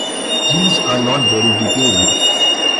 These are not very detailed.